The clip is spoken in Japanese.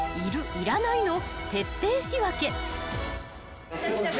いらないの徹底仕分け］